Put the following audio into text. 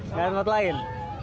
nggak ada tempat lain